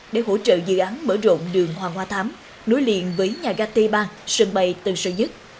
để hỗ trợ dự án mở rộn đường hoàng hoa thám nối liện với nhà gác t ba sân bay tầng sở nhất